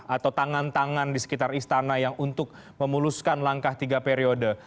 atau tangan tangan di sekitar istana yang untuk memuluskan langkah tiga periode